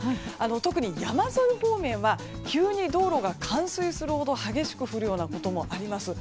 特に山沿い方面は、急に道路が冠水するほど激しく降ることもあります。